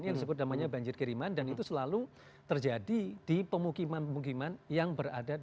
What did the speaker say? ini yang disebut namanya banjir kiriman dan itu selalu terjadi di pemukiman pemukiman yang berada di